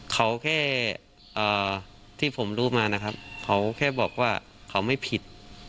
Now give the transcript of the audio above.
เขาแค่ที่ผมรู้มานะครับเขาแค่บอกว่าเขาไม่ผิด